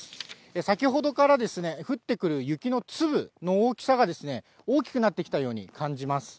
先ほどから、降ってくる雪の粒の大きさがですね、大きくなってきたように感じます。